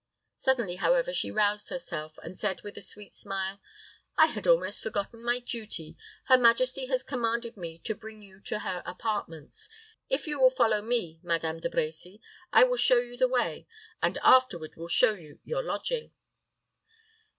Suddenly, however, she roused herself, and said, with a sweet smile, "I had almost forgotten my duty. Her majesty has commanded me to bring you to her apartments. If you will follow me, Madame De Brecy, I will show you the way, and afterward will show you your lodging."